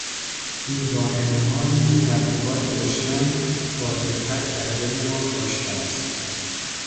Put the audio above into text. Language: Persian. این واهمههایی که تبلیغات دشمن با دقت در دل ما کاشته است